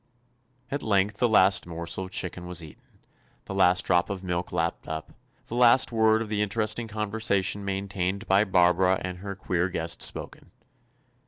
At length the last morsel of chicken was eaten, the last drop of milk lapped up, the last word of the inter esting conversation maintained by Barbara and her queer guest spoken.